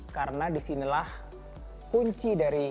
karena disinilah kunci dari produk